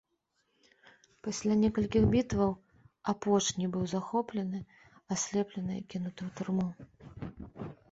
Пасля некалькіх бітваў апошні быў захоплены, аслеплены і кінуты ў турму.